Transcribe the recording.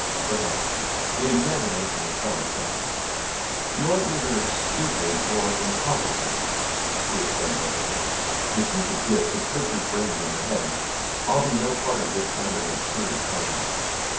"Perhaps. The examination will tell us that." "You're either stupid or incompetent," Hys said bitterly. "The heat of Dis has cooked your brains in your head. I'll be no part of this kind of absurd plan."